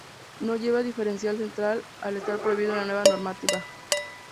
No lleva diferencial central al estar prohibido en la nueva normativa.